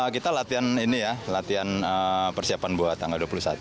kita latihan ini ya latihan persiapan buat tanggal dua puluh satu